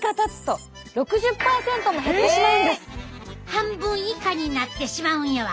半分以下になってしまうんやわ。